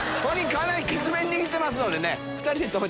かなりキツめに握ってますのでね。